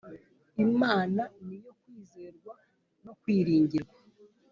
Imana niyo kwizerwa no kwiringirwa